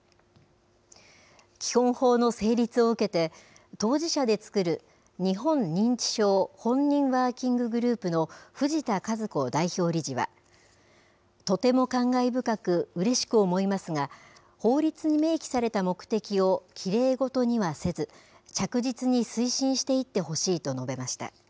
基本法の成立を受けて、当事者で作る、日本認知症本人ワーキンググループの藤田和子代表理事は、とても感慨深くうれしく思いますが、法律に明記された目的をきれいごとにはせず、着実に推進していってほしいと述べました。